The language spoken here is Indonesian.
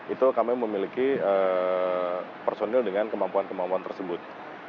itu kami memiliki personil dengan kemampuan kemampuan tersebut